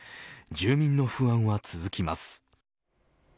住民の不安は続きます。